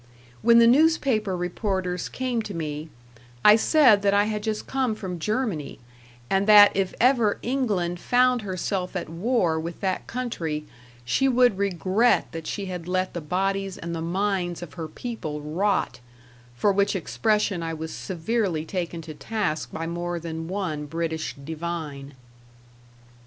When the newspaper reporters came to me, I said that I had just come from Germany, and that if ever England found herself at war with that country, she would regret that she had let the bodies and the minds of her people rot; for which expression I was severely taken to task by more than one British divine.